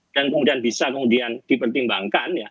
dan kemudian bisa kemudian dipertimbangkan